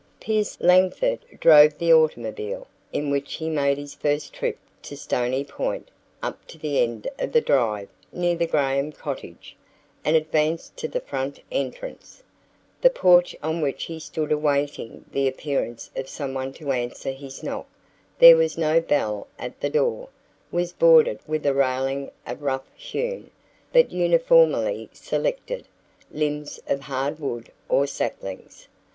Pierce Langford drove the automobile, in which he made his first trip to Stony Point, up to the end of the drive near the Graham cottage, and advanced to the front entrance. The porch on which he stood awaiting the appearance of someone to answer his knock there was no bell at the door was bordered with a railing of rough hewn, but uniformly selected, limbs of hard wood or saplings.